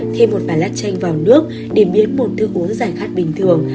thêm một vài lát chanh vào nước để biến một thức uống dài khát bình thường